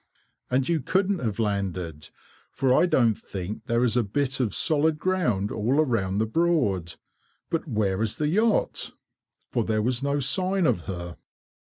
"And you couldn't have landed, for I don't think there is a bit of solid ground all round the Broad. But where is the yacht?" For there was no sign of her.